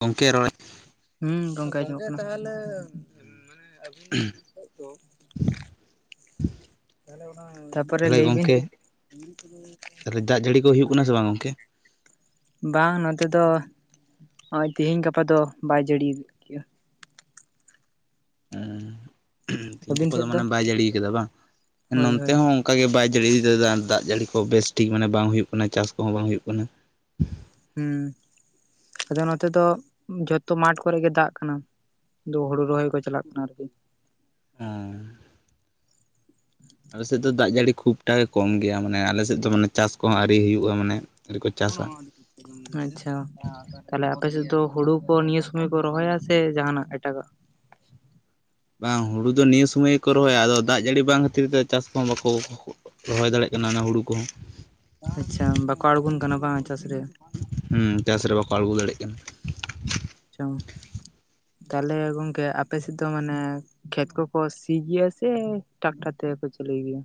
ᱜᱚᱝᱠᱮ ᱨᱚᱲ ᱦᱩᱸ ᱜᱚᱝᱠᱮ ᱟᱸᱡᱚᱢ ᱜᱚᱝᱠᱮ ᱛᱟᱦᱟᱞᱮ ᱢᱟᱱᱮ ᱟᱵᱤᱱ ᱛᱟᱨᱯᱚᱨᱮ ᱛᱟᱦᱚᱞᱮ ᱞᱟᱹᱭ ᱵᱤᱱ? ᱜᱚᱝᱠᱮ ᱛᱟᱦᱚᱞᱮ ᱫᱟᱜ ᱡᱟᱹᱲᱤ ᱠᱚ ᱦᱩᱭᱩᱜ ᱠᱟᱱᱟ ᱥᱮ ᱵᱟᱝ ᱜᱚᱝᱠᱮ? ᱵᱟᱝ ᱱᱚᱛᱮ ᱫᱚ ᱚᱜᱼᱚᱭ ᱛᱤᱦᱤᱧ ᱜᱟᱯᱟ ᱫᱚ ᱵᱟᱭ ᱡᱟᱹᱲᱤᱭ ᱛᱤᱦᱤᱧ ᱟᱹᱵᱤᱱ ᱜᱟᱯᱟ ᱫᱚ ᱥᱮᱫ ᱢᱟᱱᱮ ᱵᱟᱭ ᱡᱟᱹᱲᱤ ᱠᱟᱫᱟ ᱵᱟᱝ, ᱦᱳᱭ ᱱᱚᱱᱛᱮ ᱦᱳᱭ ᱦᱚᱸ ᱚᱱᱠᱟᱜᱮ ᱵᱟᱭ ᱡᱟᱹᱲᱤ ᱤᱫᱤᱫᱟ ᱫᱟᱜᱽ ᱡᱟᱹᱲᱤ ᱠᱚ ᱵᱮᱥ ᱴᱷᱤᱠ ᱢᱟᱱᱮ ᱵᱟᱝ ᱦᱩᱭᱩᱜ ᱠᱟᱱᱟ ᱪᱟᱥ ᱠᱚᱦᱚᱸ ᱵᱟᱝ ᱦᱩᱭᱩᱜ ᱠᱟᱱᱟ ᱦᱩᱸ ᱟᱫᱚ ᱱᱚᱛᱮ ᱫᱚ ᱡᱚᱛᱚ ᱢᱟᱴᱷ ᱠᱚᱨᱮ ᱜᱮ ᱫᱟᱜᱽ ᱠᱟᱱᱟ ᱫᱚ ᱦᱩᱲᱩ ᱨᱚᱦᱚᱭ ᱠᱚ ᱪᱟᱞᱟᱜ ᱠᱟᱱᱟ ᱟᱨᱠᱤ ᱚᱸᱻ [inaudible] ᱟᱞᱮ ᱥᱮᱜ ᱫᱚ ᱫᱟᱜ ᱡᱟᱹᱲᱤ ᱠᱷᱩᱵᱴᱟᱜ ᱜᱮ ᱠᱚᱢ ᱜᱮᱭᱟ ᱢᱟᱱᱮ ᱟᱞᱮ ᱥᱮᱜ ᱫᱚ ᱢᱟᱱᱮ ᱪᱟᱥ ᱠᱚᱦᱚᱸ ᱟᱹᱣᱨᱤ ᱦᱩᱭᱩᱜᱼᱟ ᱢᱟᱱᱮ ᱟᱹᱣᱨᱤ ᱠᱚ ᱪᱟᱥᱟ᱾ ᱟᱪᱪᱷᱟ ᱛᱟᱦᱚᱞᱮ ᱟᱯᱮ ᱥᱮᱜ ᱫᱚ ᱦᱩᱲᱩ ᱠᱚ ᱱᱤᱭᱟᱹ ᱥᱩᱢᱚᱭ ᱠᱚ ᱨᱚᱦᱚᱭᱟ ᱥᱮ ᱡᱟᱦᱟᱱᱟᱜ ᱮᱴᱟᱜᱟᱜ? ᱵᱟᱝ ᱦᱩᱲᱩ ᱫᱚ ᱱᱤᱭᱟᱹ ᱥᱩᱢᱟᱹᱭ ᱜᱮᱠᱚ ᱨᱚᱦᱚᱭᱟ ᱟᱫᱚ ᱫᱟᱜ ᱡᱟᱹᱲᱤ ᱵᱟᱝ ᱠᱷᱟᱹᱛᱤᱨ ᱛᱮ ᱪᱟᱥ ᱠᱚᱦᱚᱸ ᱵᱟᱠᱚ ᱨᱚᱦᱚᱭ ᱫᱟᱲᱮᱜ ᱠᱟᱱᱟ ᱚᱱᱟ ᱦᱩᱲᱩ ᱠᱚᱦᱚᱸ᱾ ᱟᱪᱪᱷᱟ ᱵᱟᱠᱚ ᱟᱲᱜᱩᱱ ᱠᱟᱱᱟ ᱵᱟᱝ ᱪᱟᱥ ᱨᱮ? ᱦᱩᱸ ᱪᱟᱥ ᱨᱮ ᱵᱟᱠᱚ ᱟᱲᱜᱩ ᱫᱟᱲᱮᱜ ᱠᱟᱱᱟ᱾ ᱟᱪᱪᱷᱟ ᱛᱟᱦᱚᱞᱮ ᱜᱚᱝᱠᱮ ᱟᱯᱮ ᱥᱮᱜ ᱫᱚ ᱢᱟᱱᱮ ᱠᱷᱮᱛ ᱠᱚᱠᱚ ᱥᱤ ᱜᱮᱭᱟ ᱥᱮ ᱴᱟᱠᱴᱟᱨ ᱛᱮᱜᱮ ᱠᱚ ᱪᱟᱹᱞᱩᱭ ᱜᱮᱭᱟ?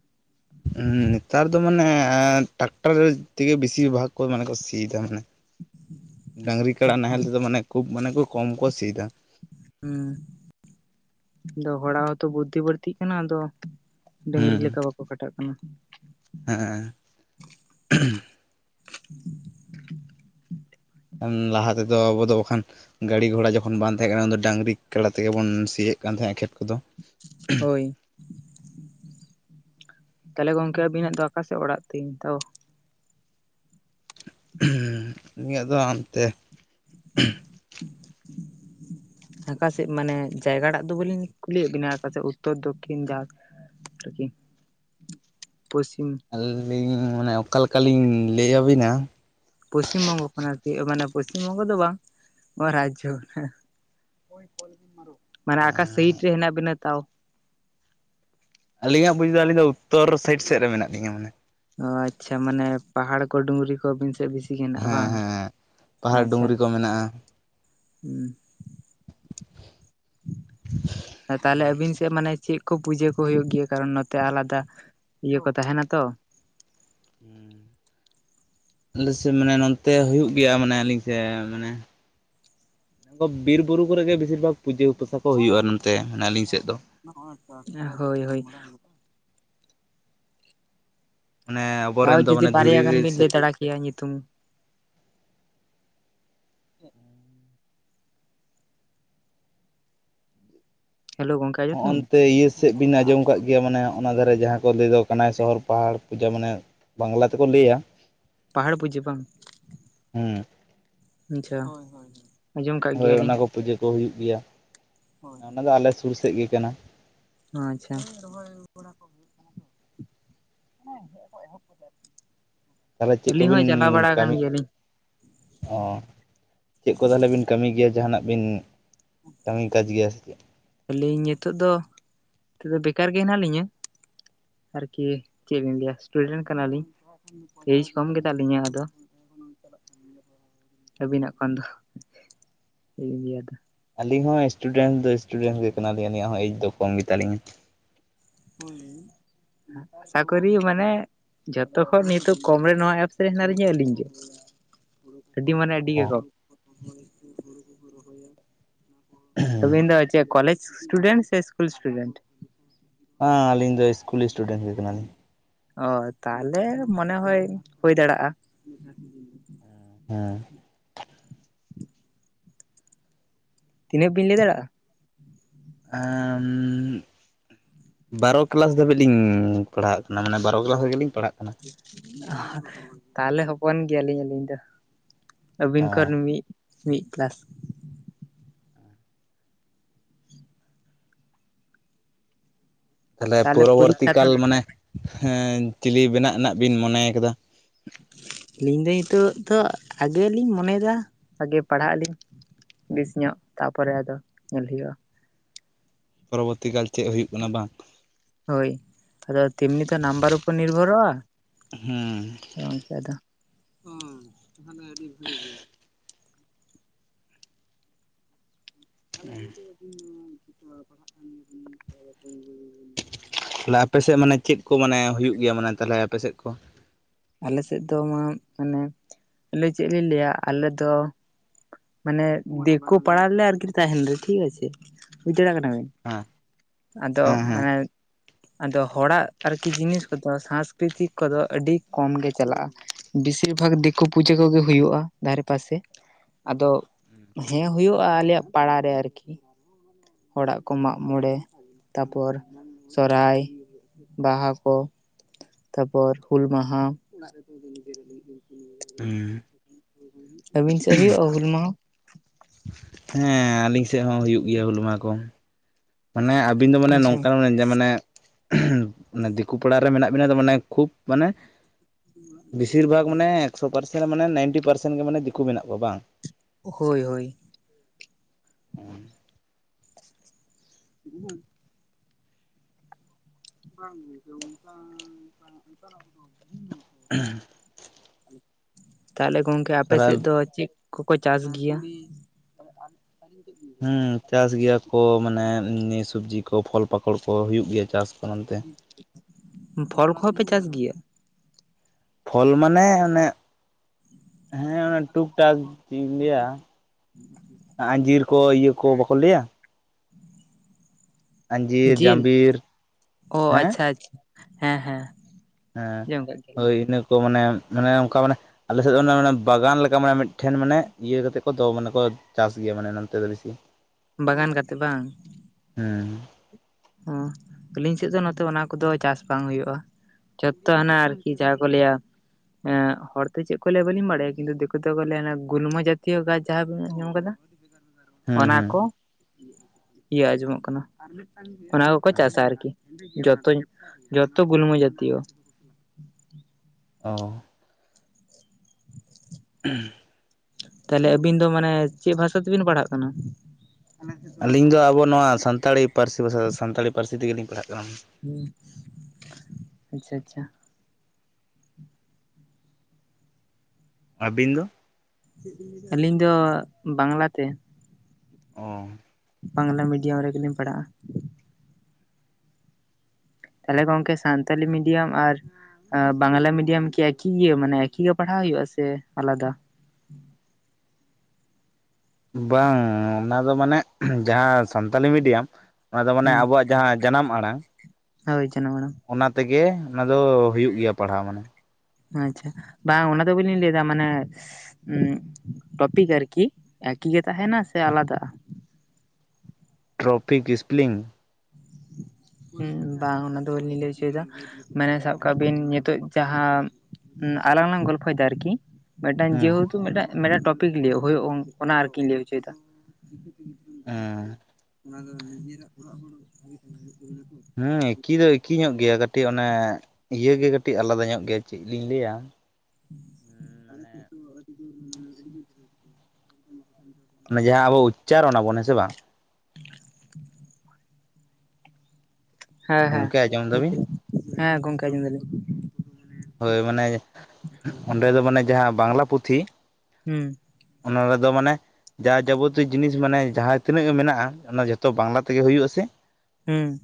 ᱦᱩᱸ ᱱᱮᱛᱟᱨ ᱫᱚ ᱢᱟᱱᱮ ᱴᱟᱠᱴᱟᱨ ᱛᱮᱜᱤ ᱵᱮᱥᱤᱨ ᱵᱷᱟᱜᱽ ᱠᱚ ᱢᱟᱱᱮ ᱠᱚ ᱥᱤᱭ ᱮᱫᱟ ᱢᱟᱱᱮ᱾ ᱰᱟᱝᱨᱤ ᱠᱟᱲᱟ ᱱᱟᱦᱮᱞ ᱛᱮᱫᱚ ᱦᱩᱸ ᱢᱟᱱᱮ ᱠᱷᱩᱵ ᱢᱟᱱᱮ ᱠᱚ ᱠᱚᱢ ᱠᱚ ᱥᱤᱭ ᱫᱟ᱾ ᱦᱩᱸ ᱟᱫᱚ ᱦᱚᱲᱟᱜ ᱦᱚᱸᱛᱚ ᱵᱩᱫᱫᱷᱤ ᱵᱟᱹᱲᱛᱤᱜ ᱠᱟᱱᱟ ᱟᱫᱚ ᱰᱟᱹᱝᱨᱤ ᱦᱩᱸ ᱞᱮᱠᱟ ᱵᱟᱠᱚ ᱠᱷᱟᱴᱟᱜ ᱠᱟᱱᱟ᱾ ᱦᱮᱸ᱾ ᱞᱟᱦᱟ ᱛᱮᱫᱚ ᱟᱵᱚ ᱫᱚ ᱵᱟᱠᱷᱟᱱ ᱜᱟᱹᱲᱤ ᱜᱷᱚᱲᱟ ᱡᱚᱠᱷᱚᱱ ᱵᱟᱝ ᱛᱮᱦᱮᱸ ᱠᱟᱱᱟ ᱩᱱ ᱫᱚ ᱰᱟᱹᱝᱨᱤ ᱠᱟᱲᱟ ᱛᱮᱜᱮ ᱵᱚᱱ ᱥᱤᱭᱮᱜ ᱠᱟᱱ ᱛᱟᱦᱮᱸ ᱟ ᱠᱷᱮᱛ ᱠᱚᱫᱚ᱾ ᱦᱳᱭ᱾ ᱛᱟᱦᱚᱞᱮ ᱜᱚᱝᱠᱮ ᱟᱵᱤᱱᱟᱜ ᱫᱚ ᱟᱠᱟ ᱥᱮᱜ ᱚᱲᱟᱜ ᱛᱟᱵᱤᱱ ᱫᱚ? ᱤᱧᱟᱹᱜ ᱫᱚ ᱦᱟᱱᱛᱮ᱾ ᱟᱠᱟᱥᱮᱜ ᱢᱟᱱᱮ ᱡᱟᱭᱜᱟᱴᱟᱜ ᱫᱚ ᱵᱟᱹᱞᱤᱧ ᱠᱩᱞᱤᱭᱮᱜ ᱵᱤᱱᱟ ᱟᱠᱟᱥᱮᱜ ᱩᱛᱛᱚᱨ ᱫᱚᱠᱠᱷᱤᱱ ᱡᱟᱛ ᱟᱨᱠᱤ ᱯᱚᱥᱪᱷᱤᱢ᱾ ᱟᱹᱞᱤᱧ ᱢᱟᱱᱮ ᱚᱠᱟᱞᱮᱠᱟ ᱞᱤᱧ ᱞᱟᱹᱭ ᱟᱵᱤᱱᱟ᱾ ᱯᱚᱥᱪᱷᱤᱢ ᱵᱚᱝᱜᱚ ᱠᱷᱚᱱᱟᱜ ᱟᱨᱠᱤ ᱢᱟᱱᱮ ᱯᱚᱥᱪᱷᱤᱢ ᱵᱚᱝᱜᱚ ᱫᱚ ᱵᱟᱝ ᱱᱚᱣᱟ ᱨᱟᱡᱽᱡᱚ᱾ ᱢᱟᱱᱮ ᱟᱠᱟ ᱥᱮᱭᱤᱴ ᱨᱮ ᱦᱮᱱᱟᱜ ᱵᱤᱱᱟ ᱛᱟᱣ? ᱟᱹᱞᱤᱧᱟᱜ ᱵᱩᱡ ᱫᱚ ᱟᱹᱞᱤᱧ ᱫᱚ ᱩᱛᱛᱚᱨ ᱥᱟᱭᱤᱴ ᱥᱮᱜ ᱨᱮ ᱢᱮᱱᱟᱜ ᱞᱤᱧᱟ ᱢᱟᱱᱮ᱾ ᱚ ᱟᱪᱪᱷᱟ ᱢᱟᱱᱮ ᱯᱟᱦᱟᱲ ᱠᱚ ᱰᱩᱝᱨᱤ ᱠᱚ ᱟᱹᱵᱤᱱ ᱥᱮᱜ ᱵᱮᱥᱤ ᱵᱮᱥᱤ ᱦᱮᱱᱟᱜ-ᱟ ᱦᱮᱸ ᱵᱟᱝ ᱦᱮᱸ ᱯᱟᱦᱟᱲ ᱟᱪᱪᱷᱟ᱾ ᱰᱩᱝᱨᱤ ᱠᱚ ᱢᱮᱱᱟᱜᱼᱟ ᱟ ᱛᱟᱦᱟᱞᱮ ᱟᱵᱤᱱ ᱥᱮᱜ ᱢᱟᱱᱮ ᱪᱤᱜ ᱠᱚ ᱯᱩᱡᱟᱹ ᱠᱚ ᱦᱩᱭᱩᱜ ᱜᱮᱭᱟ ᱠᱟᱨᱚᱱ ᱱᱚᱛᱮ ᱟᱞᱟᱫᱟ ᱤᱭᱟᱹ ᱠᱚ ᱛᱟᱦᱮᱱᱟ ᱛᱚ᱾ ᱟᱞᱮᱥᱮᱜ ᱢᱟᱱᱮ ᱱᱚᱱᱛᱮ ᱦᱩᱭᱩᱜ ᱜᱮᱭᱟ ᱢᱟᱱᱮ ᱟᱹᱞᱤ ᱡᱮ ᱢᱟᱱᱮ ᱵᱤᱨ ᱵᱩᱨᱩ ᱠᱚᱨᱮ ᱜᱮ ᱵᱮᱥᱤᱨ ᱵᱷᱟᱜ ᱯᱩᱡᱟᱹ ᱯᱟᱥᱟ ᱠᱚ ᱦᱩᱭᱩᱜ-ᱟ ᱱᱚᱱᱛᱮ ᱢᱟᱱᱮ ᱟᱹᱞᱤᱧ ᱥᱮᱝ ᱫᱚ᱾ ᱦᱳᱭ ᱦᱳᱭ᱾ ᱢᱟᱱᱮ ᱛᱟᱣ ᱟᱵᱚᱨᱮᱱ ᱫᱚ ᱡᱩᱫᱤ ᱢᱟᱱᱮ ᱫᱷᱤᱨᱤ ᱵᱟᱨᱭᱟ ᱜᱟᱱ ᱨᱮ ᱵᱤᱱ ᱥᱮ ᱞᱟᱹᱭ ᱫᱟᱲᱟ ᱠᱮᱭᱟ ᱧᱩᱛᱩᱢ᱾ ᱦᱮᱞᱳ ᱜᱚᱝᱠᱮ᱾ ᱟᱸᱡᱚᱢ ᱫᱟᱵᱤᱱ ᱦᱚᱸᱜᱚᱱᱛᱮ ᱤᱭᱟᱹ ᱥᱮᱜ ᱵᱤᱱ ᱟᱸᱡᱚᱢ ᱠᱟᱜ ᱜᱮᱭᱟ ᱢᱟᱱᱮ ᱚᱱᱟ ᱫᱷᱟᱨᱮ ᱡᱟᱦᱟᱸ ᱠᱚ ᱞᱟᱹᱭ ᱫᱚ ᱠᱟᱱᱟᱭ ᱥᱚᱦᱚᱨ ᱯᱟᱦᱟᱲ ᱯᱩᱡᱟ ᱢᱟᱱᱮ ᱵᱟᱝᱞᱟ ᱛᱮᱠᱚ ᱞᱟᱹᱭᱟ᱾ ᱯᱟᱦᱟᱲ ᱯᱩᱡᱟᱹ ᱵᱟᱝ᱾ ᱦᱩᱸ᱾ ᱟᱪᱪᱷᱟ᱾ ᱟᱸᱡᱚᱢ ᱠᱟᱜ ᱦᱳᱭ ᱚᱱᱟ ᱜᱮᱭᱟᱞᱤᱧ ᱠᱚ ᱯᱩᱡᱟᱹ ᱠᱚ ᱦᱩᱭᱩᱜ ᱜᱮᱭᱟ ᱚᱱᱟ ᱫᱚ ᱟᱞᱮ ᱥᱩᱨ ᱥᱮᱜ ᱜᱤ ᱠᱟᱱᱟ᱾ ᱟᱪᱪᱷᱟ ᱛᱟᱦᱚᱞᱮ ᱪᱮᱫ ᱟᱹᱞᱤᱧ ᱠᱚᱵᱤᱱ ᱦᱚᱸ ᱪᱟᱞᱟᱣ ᱵᱟᱲᱟ ᱟᱠᱟᱱ ᱠᱟᱹᱢᱤ ᱜᱮᱭᱟᱞᱤᱧ᱾ ᱚ, ᱪᱮᱫ ᱠᱚ ᱛᱟᱦᱞᱮ ᱵᱤᱱ ᱠᱟᱹᱢᱤ ᱜᱮᱭᱟ? ᱡᱟᱦᱟᱱᱟᱜ ᱵᱤᱱ ᱠᱟᱹᱢᱤ ᱠᱟᱡᱽ ᱜᱮᱭᱟ ᱥᱮ ᱪᱮᱫ? ᱟᱹᱞᱤᱧ ᱱᱤᱛᱚᱜ ᱫᱚ ᱛᱚᱵᱮ ᱵᱮᱠᱟᱨ ᱜᱮ ᱦᱮᱱᱟᱜ ᱞᱤᱧᱟᱹ᱾ ᱟᱨᱠᱤ ᱪᱮᱫᱞᱤᱧ ᱞᱟᱹᱭᱟ, ᱥᱴᱩᱰᱮᱱᱴ ᱠᱟᱱᱟᱞᱤᱧ᱾ ᱮᱡᱽ ᱠᱚᱢ ᱜᱮᱛᱟᱞᱤᱧᱟᱹ ᱟᱫᱚ ᱟᱹᱵᱤᱱᱟᱜ ᱠᱷᱚᱱ ᱫᱚ, ᱪᱮᱫᱞᱤᱧ ᱞᱟᱹᱭᱟ ᱟᱫᱚ? ᱟᱹᱞᱤᱧ ᱦᱚᱸ ᱥᱴᱩᱰᱮᱱᱴ ᱫᱚ, ᱥᱴᱩᱰᱮᱱᱴ ᱜᱮ ᱠᱟᱱᱟᱞᱤᱧ᱾ ᱟᱹᱞᱤᱧᱟᱜ ᱦᱚᱸ ᱮᱡᱽ ᱫᱚ ᱠᱚᱢ ᱜᱮᱛᱟᱞᱤᱧᱟᱹ᱾ ᱦᱳᱭ᱾ ᱟᱥᱟ ᱠᱚᱨᱤ ᱢᱟᱱᱮ ᱡᱷᱚᱛᱚ ᱠᱷᱚᱱ ᱱᱤᱛᱚᱜ ᱠᱚᱢ ᱨᱮ ᱱᱚᱣᱟ ᱮᱯᱥ ᱨᱮ ᱦᱮᱱᱟᱜ ᱞᱤᱧᱟᱹ ᱟᱹᱞᱤᱧ ᱜᱮ, ᱟᱹᱰᱤ ᱢᱟᱱᱮ ᱟᱹᱰᱤ ᱜᱮ ᱚ ᱠᱚᱢ᱾ ᱟᱹᱵᱤᱱ ᱫᱚ ᱪᱮᱫ ᱠᱚᱞᱮᱡᱽ ᱥᱴᱩᱰᱮᱱᱴ ᱥᱮ ᱥᱠᱩᱞ ᱥᱴᱩᱰᱮᱱᱴ? ᱦᱮᱸ ᱟᱹᱞᱤᱧ ᱫᱚ ᱤᱥᱠᱩᱞ ᱥᱴᱩᱰᱮᱱᱴ ᱜᱮ ᱠᱟᱱᱟᱞᱤᱧ᱾ ᱚ, ᱛᱟᱦᱞᱮ ᱢᱚᱱᱮ ᱦᱚᱭ ᱦᱩᱭ ᱫᱟᱲᱮᱜ-ᱟ᱾ [unintelligible] ᱦᱩᱸ, ᱦᱩᱸ᱾ ᱪᱤᱱᱦᱟᱹᱯ ᱵᱤᱱ ᱞᱟᱹᱭ ᱫᱟᱲᱮᱜ-ᱟ? ᱮᱸᱻ ᱵᱟᱨᱚ ᱠᱮᱞᱟᱥ ᱫᱷᱟᱹᱵᱤᱡ ᱞᱤᱧ ᱯᱟᱲᱦᱟᱜ ᱠᱟᱱᱟ, ᱢᱟᱱᱮ ᱵᱟᱨᱚ ᱠᱞᱟᱥ ᱨᱮᱜᱮᱞᱞᱤᱧ ᱯᱟᱲᱦᱟᱜ ᱠᱟᱱᱟ᱾ ᱛᱟᱦᱞᱮ ᱦᱚᱯᱚᱱ ᱜᱮᱭᱟᱞᱤᱧ ᱟᱹᱞᱤᱧ ᱫᱚ, ᱟᱹᱵᱤᱱ ᱟᱸ ᱠᱷᱚᱱ ᱢᱤᱫ, ᱢᱤᱫ ᱠᱟᱞᱟᱥ᱾ ᱛᱟᱦᱞᱮ ᱛᱟᱦᱚᱞᱮ ᱯᱚᱨᱚᱵᱚᱨᱛᱤ ᱯᱚᱨᱤᱠᱠᱷᱟ ᱫᱚ ᱠᱟᱞ ᱢᱟᱱᱮ, ᱮᱸᱻ ᱪᱤᱞᱤ ᱵᱮᱱᱟᱜ ᱨᱮᱱᱟᱜ ᱵᱤᱱ ᱢᱚᱱᱮᱭ ᱟᱠᱟᱫᱟ? ᱟᱹᱞᱤᱧ ᱫᱚ ᱱᱤᱛᱚᱜ ᱫᱚ ᱟᱜᱮᱞᱤᱧ ᱢᱚᱱᱮᱭᱮᱫᱟ ᱟᱜᱮ ᱯᱟᱲᱦᱟᱜ-ᱟᱹᱞᱤᱧ ᱵᱮᱥ ᱧᱚᱜ, ᱛᱟᱯᱚᱨᱮ ᱟᱫᱚ ᱧᱮᱞ ᱦᱩᱭᱩᱜ-ᱟ᱾ ᱯᱚᱨᱚᱵᱚᱨᱛᱤ ᱠᱟᱞ ᱪᱮᱫ ᱦᱩᱭᱩᱜ ᱠᱟᱱᱟ ᱵᱟᱝ? ᱦᱳᱭ, ᱟᱫᱚ ᱛᱮᱢᱱᱤ ᱛᱚ ᱱᱟᱢᱵᱟᱨ ᱩᱯᱚᱨ ᱱᱤᱨᱵᱷᱚᱨᱚᱜ-ᱟ ᱦᱮᱸ ᱜᱚᱝᱠᱮ ᱫᱚ᱾ ᱦᱟᱱᱮ ᱟᱹᱰᱤ ᱵᱷᱟᱹᱜ ᱜᱮ᱾ ᱛᱟᱦᱞᱮ [unintelligible] ᱛᱟᱦᱞᱮ ᱟᱯᱮ ᱥᱮᱫ ᱢᱟᱱᱮ, ᱪᱮᱫ ᱠᱚ ᱢᱟᱱᱮ ᱦᱩᱭᱩᱜ ᱜᱮᱭᱟ ᱢᱟᱱᱮ ᱛᱟᱦᱞᱮ ᱟᱯᱮ ᱥᱮᱫ ᱠᱚ? ᱟᱞᱮ ᱥᱮᱫ ᱫᱚ ᱢᱟ ᱢᱟᱱᱮ, ᱟᱞᱮ ᱪᱮᱫ ᱞᱮ ᱞᱟᱹᱭᱟ? ᱟᱞᱮ ᱫᱚ ᱢᱟᱱᱮ ᱫᱤᱠᱩ ᱯᱟᱲᱟ ᱨᱮᱞᱮ ᱟᱨᱠᱤᱞᱮ ᱛᱟᱦᱮᱱ ᱨᱮ ᱴᱷᱤᱠ ᱟᱪᱷᱮ ᱵᱩᱡᱽ ᱫᱟᱲᱮᱭᱟᱜ ᱠᱟᱱᱟᱵᱤᱱ? ᱦᱮᱸ ᱟᱫᱚ ᱦᱮᱸ ᱦᱮᱸ ᱢᱟᱱᱮ ᱟᱫᱚ ᱦᱚᱲᱟᱜ ᱟᱨᱠᱤ ᱡᱤᱱᱤᱥ ᱠᱚᱫᱚ ᱥᱟᱸᱥᱠᱨᱤᱛᱤᱠ ᱠᱚᱫᱚ ᱟᱹᱰᱤ ᱠᱚᱢ ᱜᱮ ᱪᱟᱞᱟᱜ-ᱟ, ᱵᱤᱥᱤᱨ ᱵᱷᱟᱜᱽ ᱫᱤᱠᱩ ᱯᱩᱡᱟᱹ ᱠᱚᱜᱮ ᱦᱩᱭᱩᱜ-ᱟ ᱫᱷᱟᱨᱮ ᱯᱟᱥᱮ᱾ ᱟᱫᱚ, ᱦᱮᱸ ᱦᱩᱭᱩᱜ-ᱟ ᱟᱞᱮᱭᱟᱜ ᱯᱟᱲᱟ ᱨᱮ ᱟᱨᱠᱤ᱾ ᱦᱚᱲᱟᱜ ᱠᱚ ᱢᱟᱜ ᱢᱚᱬᱮ ᱛᱟᱨᱯᱚᱨ ᱥᱚᱨᱦᱟᱭ, ᱵᱟᱦᱟ ᱠᱚ, ᱛᱟᱯᱚᱨ ᱦᱩᱞ ᱢᱟᱦᱟ, ᱚᱲᱟᱜ ᱨᱮ [unintelligible] ᱦᱩᱸ᱾ ᱟᱹᱵᱤᱱ ᱥᱮᱫ ᱦᱩᱭᱩᱜ-ᱟ ᱦᱩᱞ ᱢᱟᱦᱟ? ᱦᱮᱸ ᱟᱹᱞᱤᱧ ᱥᱮᱜ ᱦᱚᱸ ᱦᱩᱭᱩᱜ ᱜᱮᱭᱟ ᱦᱚᱩᱞ ᱢᱟᱦᱟ ᱠᱚ᱾ ᱢᱟᱱᱮ ᱟᱵᱤᱱ ᱫᱚ ᱢᱟᱱᱮ ᱟᱪᱪᱷᱟ ᱱᱚᱝᱠᱟ [unintelligible] ᱢᱟᱱᱮ ᱢᱟᱱᱮ ᱫᱤᱠᱩ ᱯᱟᱲᱟᱨᱮ ᱢᱮᱱᱟᱜ ᱵᱤᱱᱟ ᱛᱚ, ᱢᱟᱱᱮ ᱠᱷᱩᱵ ᱢᱟᱱᱮ ᱵᱮᱥᱤᱨ ᱵᱷᱟᱜᱽ ᱢᱟᱱᱮ ᱮᱠᱥᱚ ᱯᱟᱨᱥᱮᱱ ᱢᱟᱱᱮ ᱱᱟᱭᱤᱱᱴᱤ ᱯᱟᱨᱥᱮᱱ ᱜᱮ ᱢᱟᱱᱮ ᱫᱤᱠᱩ ᱢᱮᱱᱟᱜ ᱠᱚᱣᱟ ᱵᱟᱝ? ᱦᱳᱭ ᱦᱳᱭ᱾ [unintelligible] ᱵᱟᱝ [unintelligible] [inaudible] ᱛᱟᱦᱞᱮ ᱜᱚᱝᱠᱮ ᱟᱯᱮ ᱥᱮᱜ ᱛᱟᱦᱚᱞᱮ ᱫᱚ ᱪᱮᱜ ᱠᱚᱠᱚ ᱪᱟᱥ ᱜᱮᱭᱟ? ᱦᱮᱩᱸ ᱪᱟᱥ ᱜᱮᱭᱟ ᱠᱚ ᱢᱟᱱᱮ ᱱᱤ ᱥᱚᱵᱡᱤ ᱠᱚ ᱯᱷᱚᱞ ᱯᱟᱠᱚᱲ ᱠᱚ ᱦᱩᱭᱩᱜ ᱜᱮᱭᱟ ᱪᱟᱥ ᱠᱚ ᱱᱚᱱ ᱯᱷᱚᱞ ᱠᱚᱦᱚᱸ ᱯᱮ ᱪᱟᱥ ᱜᱮᱭᱟ? ᱯᱷᱚᱞ ᱢᱟᱱᱮ ᱚᱱᱮ ᱦᱮᱸ ᱚᱱᱮ ᱴᱩᱠ ᱴᱟᱠ ᱪᱮᱜ ᱤᱧ ᱞᱟᱹᱭᱟ ᱟᱸᱡᱤᱨ ᱠᱚ ᱤᱭᱟᱹ ᱠᱚ ᱵᱟᱠᱚ ᱞᱟᱹᱭᱟ ᱟᱸᱡᱤᱨ ᱡᱤᱞ ᱡᱟᱢᱵᱤᱨ ᱚ ᱦᱮᱸ ᱟᱪᱪᱷᱟ ᱟᱪᱪᱷᱟ ᱦᱮᱸ ᱦᱮᱸ᱾ ᱦᱮᱸ ᱡᱚᱢ ᱠᱟᱜ ᱦᱳᱭ ᱜᱮᱭᱟᱞᱤᱧ ᱤᱱᱟᱹ ᱠᱚ ᱢᱟᱱᱮ ᱢᱟᱱᱮ ᱚᱝᱠᱟ ᱢᱟᱱᱮ ᱟᱞᱮ ᱥᱮᱜ ᱫᱚ ᱢᱟᱱᱮ ᱵᱟᱜᱟᱱ ᱞᱮᱠᱟ ᱢᱟᱱᱮ ᱢᱤᱫᱴᱷᱮᱱ ᱢᱟᱱᱮ ᱤᱭᱟᱹ ᱠᱟᱛᱮᱜ ᱠᱚ ᱫᱚ ᱢᱟᱱᱮ ᱠᱚ ᱪᱟᱥ ᱜᱮᱭᱟ ᱢᱟᱱᱮ ᱱᱚᱱᱛᱮ ᱫᱚ ᱵᱮᱥᱤ᱾ ᱵᱟᱜᱟᱱ ᱠᱟᱛᱮ ᱵᱟᱝ? ᱦᱩᱸ ᱦᱩᱸ ᱟᱹᱞᱤᱧ ᱥᱮᱜ ᱫᱚ ᱱᱚᱛᱮ ᱚᱱᱟ ᱠᱚᱫᱚ ᱪᱟᱥ ᱵᱟᱝ ᱦᱩᱭᱩᱜᱼᱟ᱾ ᱡᱚᱛᱚ ᱦᱟᱱᱟ ᱟᱨᱠᱤ ᱡᱟᱦᱟᱸ ᱠᱚ ᱞᱟᱹᱭᱟ ᱮᱸ ᱦᱚᱲ ᱫᱚ ᱪᱮᱜ ᱠᱚ ᱞᱟᱹᱭᱟ ᱵᱟᱹᱞᱤᱧ ᱵᱟᱲᱟᱭᱟ ᱠᱤᱱᱛᱩ ᱫᱤᱠᱩ ᱛᱮᱠᱚ ᱞᱟᱹᱭᱟ ᱦᱟᱱᱟ ᱜᱩᱱᱢᱟ ᱡᱟᱛᱤᱭ ᱜᱟᱪ ᱡᱟᱦᱟᱸ ᱵᱮᱱ ᱟᱸᱡᱚᱢ ᱠᱟᱫᱟ ᱠᱟᱫᱟ᱾ ᱦᱩᱸ ᱚᱱᱟ ᱦᱩᱸ ᱠᱚ ᱤᱭᱟᱹ ᱟᱸᱡᱚᱢᱚᱜ ᱠᱟᱱᱟ᱾ ᱚᱱᱟ ᱠᱚᱠᱚ ᱪᱟᱥᱟ ᱟᱨᱠᱤ ᱡᱚᱛᱚᱧ ᱡᱚᱛᱚ ᱜᱩᱞᱢᱚ ᱡᱟᱹᱛᱤᱭᱚ᱾ ᱚ [inaudible] ᱛᱟᱦᱞᱮ ᱟᱹᱵᱤᱱ ᱫᱚ ᱢᱟᱱᱮ ᱪᱮᱜ ᱵᱷᱟᱥᱟ ᱛᱮᱵᱤᱱ ᱯᱟᱲᱦᱟᱜ ᱠᱟᱱᱟ? ᱟᱹᱞᱤᱧ ᱫᱚ ᱟᱵᱚ ᱱᱚᱣᱟ ᱥᱟᱱᱛᱟᱲᱤ ᱯᱟᱹᱨᱥᱤ ᱵᱷᱟᱥᱟ ᱥᱟᱱᱛᱟᱲᱤ ᱯᱟᱹᱨᱥᱤ ᱛᱮᱜᱮᱞᱤᱧ ᱯᱟᱲᱦᱟᱜ ᱠᱟᱱᱟ᱾ ᱦᱩᱸ ᱟᱪᱪᱷᱟ ᱟᱪᱪᱷᱟ᱾ ᱟᱹᱵᱤᱱ ᱫᱚ? ᱟᱹᱞᱤᱧ ᱫᱚ ᱵᱟᱝᱞᱟᱛᱮ᱾ ᱚ ᱵᱟᱝᱞᱟ ᱢᱤᱰᱤᱭᱟᱢ ᱨᱮᱜᱮᱞᱤᱧ ᱯᱟᱲᱦᱟᱜᱼᱟ᱾ ᱛᱟᱦᱞᱮ ᱜᱚᱝᱠᱮ ᱥᱟᱱᱛᱟᱞᱤ ᱢᱤᱰᱤᱭᱟᱢ ᱟᱨ ᱮᱸ ᱵᱟᱝᱞᱟ ᱢᱤᱰᱤᱭᱟᱢ ᱠᱤ ᱮᱠᱤ ᱜᱮ ᱢᱟᱱᱮ ᱮᱠᱤ ᱜᱮ ᱯᱟᱲᱦᱟᱣ ᱦᱩᱭᱩᱜᱭᱼᱟ ᱥᱮ ᱟᱞᱟᱫᱟ? ᱵᱟᱝ ᱚᱱᱟ ᱫᱚ ᱢᱟᱱᱮ ᱡᱟᱦᱟᱸ ᱥᱟᱱᱛᱟᱞᱤ ᱢᱤᱰᱤᱭᱟᱢ ᱚᱱᱟ ᱫᱚ ᱢᱟᱱᱮ ᱦᱩᱸ ᱟᱵᱚᱣᱟᱜ ᱡᱟᱦᱟᱸ ᱡᱟᱱᱟᱢ ᱟᱲᱟᱝ ᱦᱳᱭ ᱡᱟᱱᱟᱢ ᱟᱲᱟᱝ᱾ ᱚᱱᱟ ᱛᱮᱜᱮ ᱚᱱᱟ ᱫᱚ ᱦᱩᱭᱩᱜ ᱜᱮᱭᱟ ᱯᱟᱲᱦᱟᱣ ᱢᱟᱱᱮ᱾ ᱟᱪᱪᱷᱟ, ᱵᱟᱝ ᱚᱱᱟ ᱫᱚ ᱵᱞᱤᱧ ᱞᱟᱹᱭᱫᱟ ᱢᱟᱱᱮ ᱩᱸ ᱴᱚᱯᱤᱠ ᱟᱨᱠᱤ ᱮᱠᱤ ᱜᱮ ᱛᱟᱦᱮᱱᱟ ᱥᱮ ᱟᱞᱟᱫᱟᱜᱼᱟ? ᱴᱨᱚᱯᱷᱤᱠ ᱥᱯᱞᱤᱝ? ᱦᱩᱸ ᱵᱟᱝ ᱚᱱᱟ ᱫᱚ ᱵᱟᱹᱞᱤᱧ ᱞᱟᱹᱭ ᱦᱚᱪᱚᱭᱫᱟ ᱢᱟᱱᱮ ᱥᱟᱵ ᱠᱟᱜ ᱵᱤᱱ ᱧᱤᱛᱚᱜ ᱡᱟᱦᱟᱸ ᱩᱸ ᱟᱞᱟᱝ ᱞᱟᱝ ᱜᱚᱞᱯᱷᱚᱭᱫᱟ ᱟᱨᱠᱤ ᱢᱤᱫᱴᱟᱝ ᱦᱮᱸ ᱡᱮᱦᱮᱛᱩ ᱢᱤᱫᱴᱟᱝ ᱢᱤᱫᱴᱟᱝ ᱴᱚᱯᱤᱠ ᱞᱤᱭᱟᱹ ᱦᱩᱭᱩᱜ ᱚᱱᱟ ᱟᱨᱠᱤᱧ ᱞᱟᱹᱭ ᱦᱚᱪᱚᱭᱫᱟ᱾ [inaudible] ᱦᱮᱸ ᱮᱠᱤ ᱫᱚ ᱮᱠᱤ ᱧᱚᱜ ᱜᱮᱭᱟ ᱠᱟᱹᱴᱤᱡ ᱚᱱᱮ ᱤᱭᱟᱹ ᱜᱮ ᱠᱟᱹᱴᱤᱡ ᱟᱞᱟᱫᱟ ᱧᱚᱜ ᱜᱮᱭᱟ ᱪᱮᱜ ᱞᱤᱧ ᱞᱟᱹᱭᱟ [inaudible] ᱱᱮ ᱡᱟᱦᱟᱸ ᱟᱵᱚ ᱪᱟᱨᱚᱱ ᱟᱵᱚᱱ ᱦᱮᱸ ᱥᱮ ᱵᱟᱝ᱾ [inaudible] ᱦᱮᱸ ᱜᱚᱝᱠᱮ ᱟᱸᱡᱚᱢ ᱫᱟᱵᱤᱱ ᱦᱮᱸ, ᱦᱮᱸ ᱜᱚᱝᱠᱮ ᱟᱸᱡᱚᱢ ᱫᱟᱞᱤᱧ᱾ ᱦᱳᱭ ᱢᱟᱱᱮ, ᱚᱸᱰᱮ ᱫᱚ ᱢᱟᱱᱮ ᱡᱟᱦᱟᱸ ᱵᱟᱝᱞᱟ ᱯᱩᱛᱷᱤ ᱦᱩᱸ᱾ ᱚᱱᱟ ᱨᱮᱫᱚ ᱢᱟᱱᱮ ᱡᱟ ᱡᱟᱵᱚᱛᱤ ᱡᱤᱱᱤᱥ ᱢᱟᱱᱮ ᱡᱟᱦᱟᱸ ᱛᱤᱱᱟᱹᱜ ᱜᱮ ᱢᱮᱱᱟᱜ-ᱟ ᱚᱱᱟ ᱡᱷᱚᱛᱚ ᱵᱟᱝᱞᱟ ᱛᱮᱜᱮ ᱦᱩᱭᱩᱜ-ᱟ ᱥᱮ? ᱦᱩᱸ᱾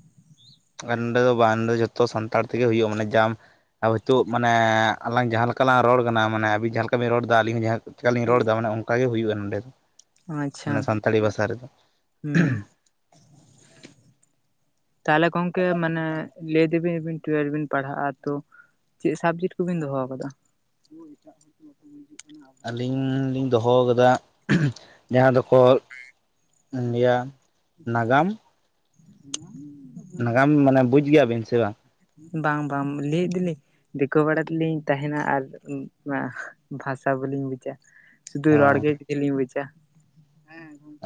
ᱟᱨ ᱱᱚᱸᱰᱮ ᱫᱚ ᱵᱟ, ᱱᱚᱸᱰᱮ ᱫᱚ ᱡᱷᱚᱛᱚ ᱥᱟᱱᱛᱟᱲ ᱛᱮᱜᱮ ᱦᱩᱭᱩᱜ-ᱟ ᱢᱟᱱᱮ ᱡᱟᱢ ᱱᱤᱛᱳᱜ ᱢᱟᱱᱮ ᱟᱞᱟᱝ ᱡᱟᱦᱟᱸ ᱞᱮᱠᱟᱞᱟᱝ ᱨᱚᱲ ᱠᱟᱱᱟ, ᱢᱟᱱᱮ ᱟᱵᱤᱱ ᱡᱟᱦᱟᱸ ᱞᱮᱠᱟᱵᱤᱱ ᱨᱚᱲᱮᱫᱟ ᱟᱹᱞᱤᱧ ᱦᱚᱸ ᱡᱟᱦᱟᱸ ᱪᱮᱠᱟᱞᱤᱧ ᱨᱚᱲᱫᱟ ᱢᱟᱱᱮ ᱩ ᱚᱝᱠᱟᱜᱮ ᱦᱩᱭᱩᱜ-ᱟ ᱱᱚᱸᱰᱮ ᱫᱚ, ᱟᱪᱪᱷᱟ ᱚᱱᱟ ᱥᱟᱱᱛᱟᱲᱤ ᱵᱷᱟᱥᱟ ᱨᱮᱫᱚ᱾ ᱦᱩᱸ [inaudible] ᱛᱟᱦᱞᱮ ᱜᱚᱝᱠᱮ ᱢᱟᱱᱮ ᱞᱟᱹᱭ ᱫᱤᱵᱤᱱᱵᱤᱱ ᱴᱩᱭᱮᱞᱵᱷ ᱵᱤᱱ ᱯᱟᱲᱦᱟᱜ-ᱟ ᱛᱚ ᱪᱮᱫ ᱥᱟᱵᱡᱮᱠᱴ ᱠᱚᱵᱤᱱ ᱫᱚᱦᱚ ᱟᱠᱟᱫᱟ? ᱟᱵᱚ ᱮᱴᱟᱜ ᱦᱚᱲ ᱵᱟᱠᱚ ᱦᱤᱡᱩᱜ ᱠᱟᱱᱟ᱾ ᱟᱹᱞᱤᱧ ᱞᱤᱧ ᱫᱚᱦᱚ ᱟᱠᱟᱫᱟ ᱡᱟᱦᱟᱸ ᱫᱚᱠᱚ ᱞᱟᱹᱭᱟ ᱱᱟᱜᱟᱢ ᱦᱩᱸᱻ ᱱᱟᱜᱟᱢ ᱢᱟᱱᱮ ᱵᱩᱡᱽ ᱜᱮᱭᱟᱵᱤᱱ ᱥᱮ ᱵᱟᱝ? ᱵᱟᱝ ᱵᱟᱝ ᱞᱟᱹᱭ ᱤᱫᱤ ᱞᱮ ᱫᱤᱠᱩ ᱯᱟᱲᱟ ᱨᱮᱞᱤᱧ ᱛᱟᱦᱮᱱᱟ ᱟᱨ ᱵᱷᱟᱥᱟ ᱵᱞᱤᱧ ᱵᱩᱡᱟ᱾ ᱥᱩᱫᱩ ᱚ ᱨᱚᱲ ᱜᱮ [unintelligible] ᱞᱤᱧ ᱵᱩᱪᱟ᱾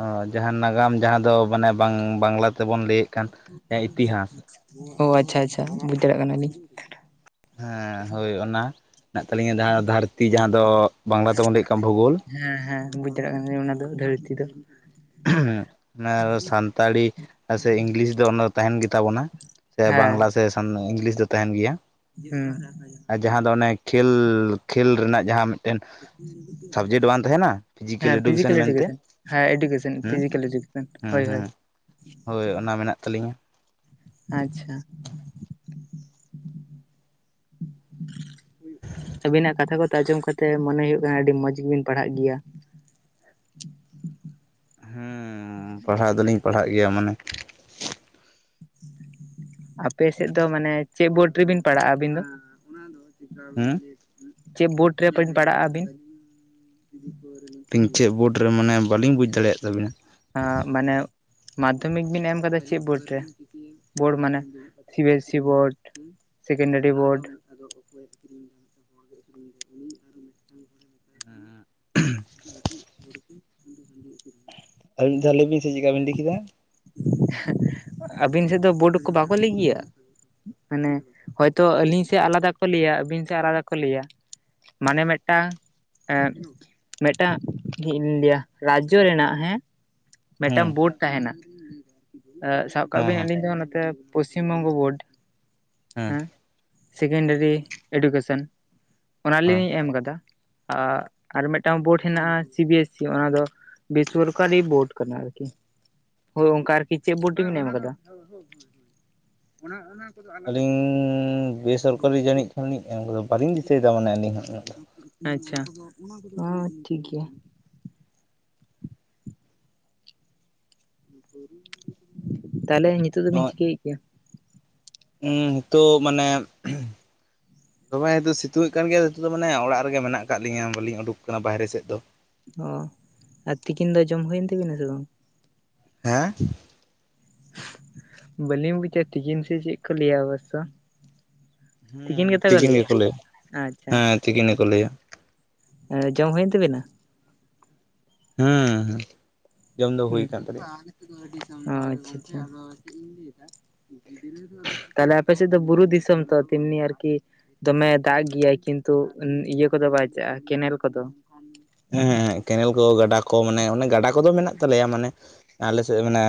ᱚ, ᱡᱟᱦᱟᱸ ᱱᱟᱜᱟᱢ ᱡᱟᱦᱟᱸ ᱫᱚ ᱢᱟᱱᱮ ᱵᱟᱝ ᱵᱟᱝᱞᱟ ᱛᱮᱵᱚᱱ ᱞᱟᱹᱭᱮᱫ ᱠᱟᱱ ᱮᱻ ᱤᱛᱤᱦᱟᱸᱥ᱾ ᱚ ᱟᱪᱪᱷᱟ ᱟᱪᱪᱷᱟ, ᱵᱩᱡᱽ ᱫᱟᱲᱮᱭᱟᱜ ᱠᱟᱱᱟᱞᱤᱧ᱾ ᱦᱮᱸ ᱦᱳᱭ, ᱚᱱᱟ ᱦᱮᱱᱟᱜ ᱛᱟᱹᱟᱞᱤᱧᱟ ᱡᱟᱦᱟᱸ ᱫᱷᱟᱹᱨᱛᱤ ᱡᱟᱦᱟᱸ ᱫᱚ ᱵᱟᱝᱞᱟ ᱛᱮᱵᱚᱱ ᱞᱟᱹᱭᱮᱜ ᱠᱟᱱ ᱵᱷᱩᱜᱳᱞ᱾ ᱦᱮᱸ ᱦᱮᱸ ᱵᱩᱡᱽ ᱫᱟᱲᱮᱭᱟᱜ ᱠᱟᱱ ᱜᱤᱭᱟᱹᱧ ᱚᱱᱟ ᱫᱚ ᱫᱷᱟᱹᱨᱛᱤ ᱫᱚ᱾ ᱚᱱᱟ ᱥᱟᱱᱛᱟᱲᱤ ᱥᱮ ᱤᱝᱞᱤᱥ ᱫᱚ ᱚᱱᱟ ᱫᱚ ᱛᱟᱦᱮᱱ ᱜᱮᱛᱟᱵᱚᱱᱟ᱾ ᱥᱮ ᱵᱟᱝᱞᱟ ᱦᱮᱸ ᱥᱮ ᱥᱟᱱ ᱤᱝᱞᱤᱥ ᱫᱚ ᱛᱟᱦᱮᱱ ᱜᱮᱭᱟ᱾ ᱦᱩᱸ, ᱦᱮᱸ ᱦᱮᱸ᱾ ᱟᱨ ᱡᱟᱦᱟᱸ ᱫᱚ ᱚᱱᱮ ᱠᱷᱮᱹᱞ ᱠᱷᱮᱹᱞ ᱨᱮᱱᱟᱜ ᱡᱟᱦᱟᱸ ᱢᱤᱫᱴᱮᱱ ᱥᱟᱵᱽᱡᱮᱠᱴ ᱵᱟᱝ ᱛᱟᱦᱮᱱᱟ ᱯᱷᱤᱡᱤᱠᱮᱞ ᱮᱰᱩᱠᱮᱥᱚᱱ ᱢᱮᱱᱛᱮ? ᱦᱮᱸ ᱮᱰᱩᱠᱮᱥᱚᱱ ᱦᱩᱸ ᱯᱷᱤᱡᱤᱠᱮᱞ ᱮᱰᱩᱠᱮᱥᱚᱱ, ᱦᱩᱸ ᱦᱳᱭ ᱦᱳᱭ᱾ ᱦᱩᱸ ᱦᱳᱭ ᱚᱱᱟ ᱢᱮᱱᱟᱜ ᱛᱟᱹᱟᱞᱤᱧᱟ᱾ ᱟᱪᱪᱷᱟ᱾ ᱟᱵᱤᱱᱟᱜ ᱠᱟᱛᱷᱟ ᱠᱚ ᱟᱸᱡᱚᱢ ᱠᱟᱛᱮᱜ ᱢᱚᱱᱮ ᱦᱩᱭᱩᱜ ᱠᱟᱱᱟ ᱟᱹᱰᱤ ᱢᱚᱸᱡᱽ ᱜᱮᱵᱤᱱ ᱯᱟᱲᱦᱟᱜ ᱜᱮᱭᱟ᱾ ᱦᱩᱸ, ᱯᱟᱲᱦᱟᱣ ᱫᱚᱞᱤᱧ ᱯᱟᱲᱦᱟᱜ ᱜᱮᱭᱟ ᱢᱟᱱᱮ ᱟᱯᱮ ᱥᱮᱫ ᱫᱚ ᱢᱟᱱᱮ ᱪᱮᱫ ᱵᱳᱨᱰ ᱨᱮᱵᱤᱱ ᱯᱟᱲᱟᱜ-ᱟ ᱟᱹᱵᱤᱱ ᱫᱚ? ᱦᱩᱸ ᱪᱮᱫ ᱵᱳᱰ ᱨᱮᱵᱤᱱ ᱯᱟᱲᱟᱜ-ᱟ ᱟᱵᱤᱱ? ᱛᱚ ᱪᱮᱫ ᱵᱳᱰ ᱨᱮ ᱢᱟᱱᱮ, ᱵᱟᱞᱤᱧ ᱵᱩᱡᱽ ᱫᱟᱲᱮᱭᱟᱭᱟᱜ ᱛᱟᱵᱤᱱᱟ᱾ ᱟᱻ ᱢᱟᱱᱮ ᱢᱟᱫᱽᱫᱷᱚᱢᱤᱠ ᱵᱤᱱ ᱮᱢ ᱟᱠᱟᱫᱟ ᱪᱮᱫ ᱵᱳᱰ ᱨᱮ? ᱵᱳᱰ ᱢᱟᱱᱮ C B S C board. Secondary board. ᱟᱫᱚ ᱵᱟᱠᱚ ᱟᱠᱷᱨᱤᱧ, ᱵᱟᱠᱠᱚ ᱟᱠᱷᱨᱤᱧ ᱜᱮᱭᱟ᱾ ᱟᱨ ᱢᱤᱫ ᱫᱷᱟᱣ ᱞᱟᱹᱭ ᱵᱤᱱ ᱥᱮ ᱪᱮᱫᱠᱟ ᱵᱤᱱ ᱞᱟᱹᱭ ᱠᱮᱫᱟ? ᱟᱹᱵᱤᱱ ᱥᱮᱫ ᱫᱚ ᱵᱳᱰ ᱠᱚ ᱵᱟᱠᱚ ᱞᱟᱹᱭ ᱜᱤᱭᱟ? ᱢᱟᱱᱮ ᱦᱚᱭᱛᱳ ᱟᱹᱞᱤᱧ ᱥᱮᱫ, ᱟᱞᱟᱫᱟ ᱠᱚ ᱞᱟᱹᱭᱟ ᱟᱹᱵᱤᱱ ᱥᱮᱫ ᱟᱞᱟᱫᱟ ᱠᱚ ᱞᱟᱹᱭᱟ᱾ ᱢᱟᱱᱮ ᱢᱤᱫᱴᱟᱝ ᱮᱸᱻ ᱢᱤᱫᱴᱟᱝ ᱪᱮᱫ ᱤᱧ ᱞᱮᱭᱟ, ᱨᱟᱡᱽᱡᱚ ᱨᱮᱱᱟᱜ ᱦᱮᱸ ᱦᱮᱸ ᱢᱤᱫᱴᱟᱝ ᱵᱳᱰ ᱛᱟᱦᱮᱱᱟ᱾ ᱥᱟᱵ ᱠᱟᱜ ᱦᱮᱸ ᱵᱤᱱ ᱦᱮᱸ ᱟᱞᱤᱧ ᱫᱚ ᱱᱚᱛᱮ ᱯᱚᱥᱪᱤᱢ ᱵᱚᱝᱜᱚ ᱵᱳᱨᱰ ᱦᱮᱸ᱾ ᱥᱮᱠᱮᱱᱰᱟᱨᱤ ᱮᱰᱩᱠᱮᱥᱚᱱ ᱦᱮᱸ ᱚᱱᱟᱞᱤᱧ ᱮᱢ ᱠᱟᱫᱟ᱾ ᱟᱨ ᱢᱤᱫᱴᱟᱝ ᱵᱳᱨᱰ ᱦᱮᱱᱟᱜ-ᱟ ᱥᱤ ᱵᱤ ᱮᱥ ᱥᱤ ᱚᱱᱟ ᱫᱚ ᱵᱤᱥᱚᱨᱠᱟᱨᱤ ᱵᱳᱴ ᱠᱟᱱᱟ ᱟᱨᱠᱤ ᱦᱳᱭ ᱚᱱᱠᱟ ᱟᱨ ᱤ ᱪᱮᱫ ᱵᱳᱴ ᱨᱮ ᱵᱤᱱ ᱮᱢ ᱠᱟᱫᱟ? ᱚᱱᱟ ᱚᱱᱟ ᱠᱚᱫᱚ ᱟᱰᱤ ᱟᱞᱤᱧ ᱵᱮᱥᱚᱨᱠᱟᱨᱤ ᱡᱟᱹᱱᱤᱡ ᱠᱷᱟᱱᱞᱤᱧ ᱮᱢ ᱠᱟᱫᱟ, ᱵᱟᱞᱤᱧ ᱫᱤᱥᱟᱹᱭᱮᱫᱟ ᱢᱟᱱᱮ ᱟᱞᱤᱧ ᱦᱚᱸ ᱩᱱᱟᱹᱜ ᱫᱚ᱾ ᱟᱪᱪᱷᱟ᱾ ᱦᱚ ᱴᱷᱤᱠ ᱜᱤᱭᱟ᱾ ᱛᱟᱦᱚᱞᱮ ᱱᱤᱛᱳᱜ ᱫᱚᱵᱤᱱ ᱪᱤᱠᱟᱹᱭᱮᱜ ᱜᱤᱭᱟ? ᱩ ᱦᱤᱛᱳᱜ ᱢᱟᱱᱮ ᱫᱚᱢᱮ ᱱᱤᱛᱚᱜ ᱥᱤᱛᱩᱝ ᱮᱫ ᱠᱟᱱ ᱜᱮᱭᱟ ᱱᱤᱛᱚᱜ ᱫᱚ ᱢᱟᱱᱮ, ᱚᱲᱟᱜ ᱨᱮᱜᱮ ᱢᱮᱱᱟᱜ ᱟᱠᱟᱫ ᱞᱤᱧᱟᱹ ᱵᱟᱞᱤᱧ ᱩᱰᱩᱠ ᱠᱟᱱᱟ ᱵᱟᱦᱨᱮ ᱥᱮᱫ ᱫᱚ᱾ ᱚ ᱟᱨ ᱛᱤᱠᱤᱱ ᱫᱚ ᱡᱚᱢ ᱦᱩᱭᱮᱱ ᱛᱟᱵᱤᱱᱟ ᱥᱮ ᱵᱟᱝ? ᱦᱮᱸ? ᱵᱟᱹᱞᱤᱧ ᱵᱩᱡᱟ, ᱛᱤᱠᱤᱱ ᱥᱮ ᱪᱮᱫ ᱠᱚ ᱞᱟᱹᱭᱟ ᱵᱚᱥᱥᱚ? ᱦᱮᱸ ᱛᱤᱠᱤᱱ ᱜᱮᱠᱚ ᱞᱟᱹᱭᱟ, ᱟᱪᱪᱷᱟ ᱦᱮᱸ ᱛᱤᱠᱤᱱ ᱜᱮᱠᱚ ᱞᱟᱹᱭᱟ। ᱮ ᱡᱚᱢ ᱦᱩᱭᱮᱱ ᱛᱟᱹᱵᱤᱱᱟ? ᱦᱩᱸ ᱦᱩᱸ᱾ ᱚ ᱟᱪᱪᱷᱟ ᱟᱪᱪᱷᱟ ᱚ᱾ ᱛᱟᱦᱞᱮ ᱟᱯᱮ ᱥᱮᱫ ᱫᱚ ᱵᱩᱨᱩ ᱫᱤᱥᱚᱢ ᱛᱚ ᱛᱮᱢᱱᱤ ᱟᱨᱠᱤ᱾ ᱫᱚᱢᱮ ᱫᱟᱜ ᱜᱮᱭᱟᱭ ᱠᱤᱱᱛᱩ ᱤᱭᱟᱹ ᱠᱚᱫᱚ ᱵᱟᱭᱪᱟᱜ-ᱟᱭ ᱠᱮᱱᱮᱞ ᱠᱚᱫᱚ᱾ ᱦᱮᱸ ᱦᱮᱸ ᱠᱮᱱᱮᱞ ᱠᱚ ᱜᱟᱰᱟ ᱠᱚ ᱢᱟᱱᱮ ᱚᱱᱮ ᱜᱟᱰᱟ ᱠᱚᱫᱚ ᱢᱮᱱᱟᱜ ᱛᱟᱞᱮᱭᱟ ᱢᱟᱱᱮ ᱟᱞᱮᱥᱮᱫ ᱫᱚ ᱢᱟᱱᱮ᱾